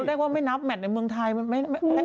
แน่งว่าไม่นับแมทในเมืองไทยไม่อุ่นเครื่อง